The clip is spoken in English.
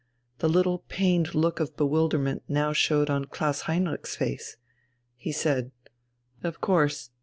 The little pained look of bewilderment now showed on Klaus Heinrich's face. He said: "Of course....